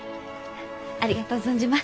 ありがとう存じます。